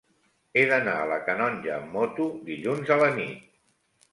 He d'anar a la Canonja amb moto dilluns a la nit.